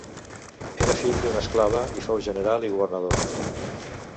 Era fill d'una esclava i fou general i governador.